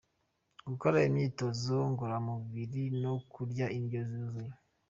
Gukora imyitozo ngororamubiri no kurya indyo yuzuye.